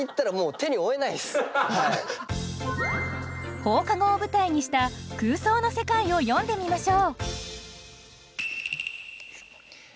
放課後を舞台にした空想の世界を詠んでみましょう。